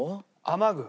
雨具。